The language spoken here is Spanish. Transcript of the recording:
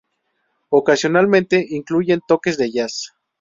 Ocasionalmente incluyen toques de jazz.